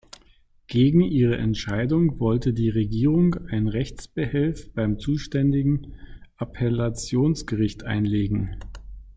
Gegen ihre Entscheidung wollte die Regierung einen Rechtsbehelf beim zuständigen Appellationsgericht einlegen.